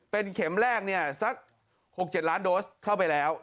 เป็นเข็มแรกเนี่ยสัก๖๗ล้านโดสเข้าไปแล้ว